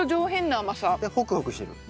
でホクホクしてる？